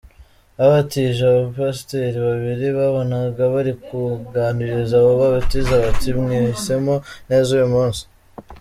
Habatije Abapasteri babiri wabonaga barikuganiriza abo babatiza bati:”Mwahisemo neza uyu munsi”.